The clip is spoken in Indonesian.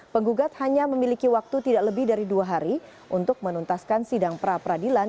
penggugat hanya memiliki waktu tidak lebih dari dua hari untuk menuntaskan sidang pra peradilan